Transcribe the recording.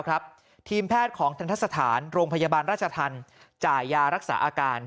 ทีมแพทย์ของทันทะสถานโรงพยาบาลราชธรรมจ่ายยารักษาอาการ